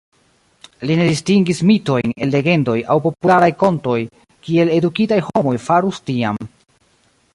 Li ne distingis mitojn el legendoj aŭ popularaj kontoj kiel edukitaj homoj farus tiam.